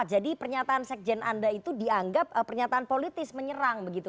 jadi pernyataan sekjen anda itu dianggap pernyataan politis menyerang begitu